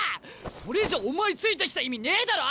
それじゃお前ついてきた意味ねえだろ？